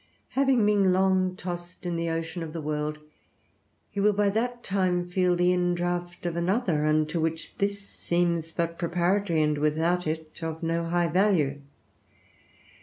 Having been long tossed in the ocean of the world, he will by that time feel the in draught of another, unto which this seems but preparatory and without it of no high value.